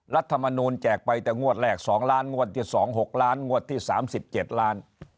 รัฐมนูนแจกไปแต่งวดแรกสองล้านงวดที่สองหกล้านงวดที่สามสิบเจ็ดล้าน